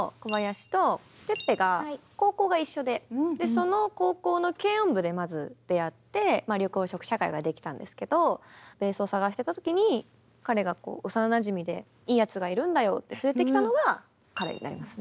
その高校の軽音部でまず出会って緑黄色社会ができたんですけどベースを探してたときに彼が幼なじみでいいやつがいるんだよって連れてきたのが彼になりますね。